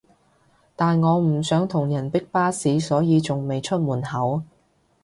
但我唔想同人逼巴士所以仲未出門口